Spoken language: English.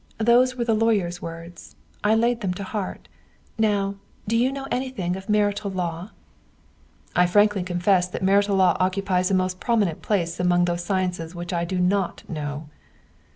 "Those were the lawyer's words. I laid them to heart. Now, do you know anything of martial law?" "I frankly confess that martial law occupies a most prominent place among those sciences which I do not know."